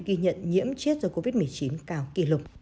ghi nhận nhiễm chết do covid một mươi chín cao kỷ lục